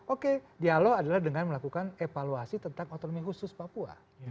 oke dialog adalah dengan melakukan evaluasi tentang otonomi khusus papua